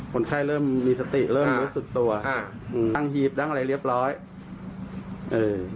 คนไข้เริ่มมีสติเริ่มรู้สึกตัวอ่าอืมตั้งหีบตั้งอะไรเรียบร้อยเออ